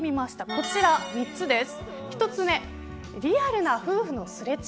こちら３つです。